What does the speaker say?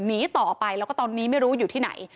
หนีต่อไปแล้วก็ตอนนี้ไม่รู้อยู่ที่ไหน